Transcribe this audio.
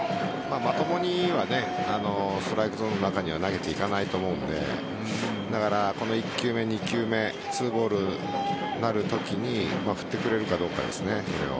まともにはストライクゾーンの中には投げれていかないと思うのでこの１球目、２球目２ボールになるときに振ってくれるかどうかですね。